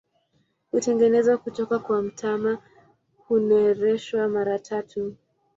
Hutengenezwa kutoka kwa mtama, hunereshwa mara tatu.